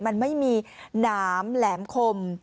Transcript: มันไม่มีหนามแหลมคม